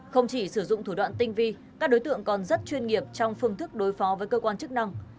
không chỉ sử dụng thủ đoạn tinh vi các đối tượng còn rất chuyên nghiệp trong phương thức đối phó với cơ quan chức năng